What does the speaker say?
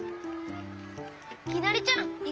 きなりちゃんいく？